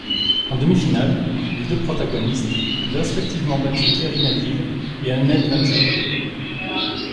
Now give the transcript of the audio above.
En demi-finale, les deux protagonistes avaient respectivement battu Kerry Melville et Annette Van Zyl.